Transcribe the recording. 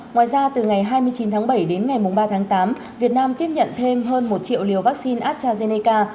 ngoài ra từ ngày hai mươi chín tháng bảy đến ngày ba tháng tám việt nam tiếp nhận thêm hơn một triệu liều vaccine astrazeneca